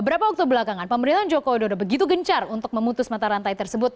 karena waktu belakangan pemerintahan jokowi sudah begitu gencar untuk memutus mata rantai tersebut